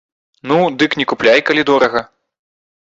Ну, дык не купляй, калі дорага.